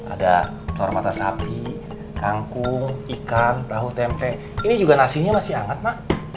ada telur mata sapi kangkung ikan tahu tempe ini juga nasinya masih hangat mak